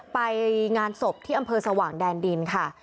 ไปงานศพที่อำเภอสว่างแดนดินค่ะ